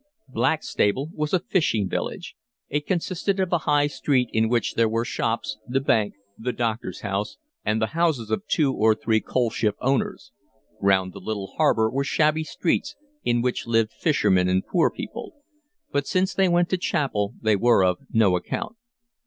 Blackstable was a fishing village. It consisted of a high street in which were the shops, the bank, the doctor's house, and the houses of two or three coalship owners; round the little harbor were shabby streets in which lived fishermen and poor people; but since they went to chapel they were of no account.